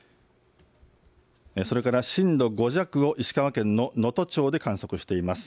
それから震度５弱を石川県の能登町で観測しています。